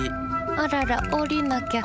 あららおりなきゃ。